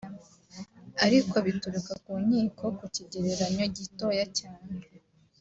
ariko bituruka ku nkiko ku kigereranyo gitoya cyane